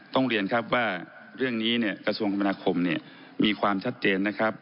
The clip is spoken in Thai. ต้องเรียนครับว่าเรื่องนี้กระทรวงคุมนาคมมีความชัดเจน